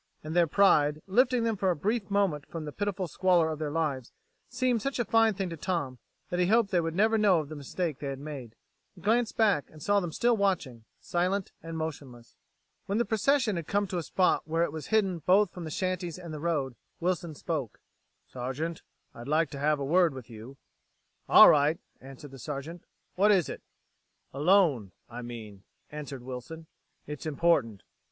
And their pride, lifting them for a brief moment from the pitiful squalor of their lives, seemed such a fine thing to Tom that he hoped they would never know of the mistake they had made. He glanced back and saw them still watching, silent and motionless. When the procession had come to a spot where it was hidden both from the shanties and the road, Wilson spoke: "Sergeant, I'd like to have a word with you." "All right," answered the Sergeant. "What is it?" "Alone, I mean," answered Wilson. "It's important.